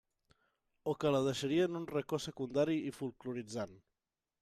O que la deixaria en un racó secundari i folkloritzant.